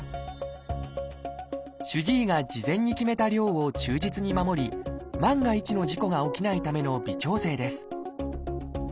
主治医が事前に決めた量を忠実に守り万が一の事故が起きないための微調整です